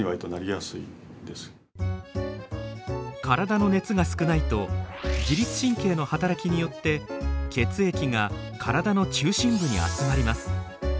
体の熱が少ないと自律神経の働きによって血液が体の中心部に集まります。